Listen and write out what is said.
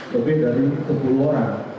lebih dari sepuluh orang